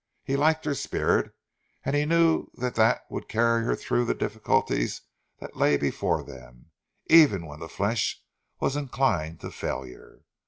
He liked her spirit, and he knew that that would carry her through the difficulties that lay before them, even when the flesh was inclined to failure.